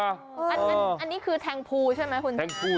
อันนี้คือแทงพูใช่ไหมคุณชมพู่